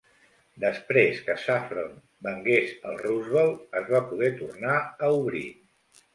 Després que Saffron vengués el Roosevelt, es va poder tornar a obrir.